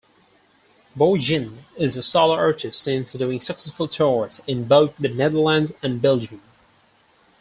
Boeijen is a solo-artist since doing successful tours in both the Netherlands and Belgium.